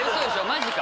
マジか！